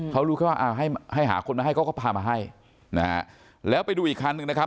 เขารู้แค่ว่าอ่าให้ให้หาคนมาให้เขาก็พามาให้นะฮะแล้วไปดูอีกคันหนึ่งนะครับ